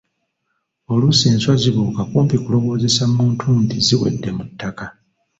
Oluusi enswa zibuuka kumpi kulowoozesa muntu nti ziwedde mu ttaka.